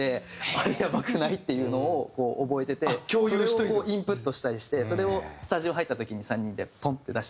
あれやばくない？っていうのをこう覚えててそれをこうインプットしたりしてそれをスタジオ入った時に３人でポンって出したりとかは。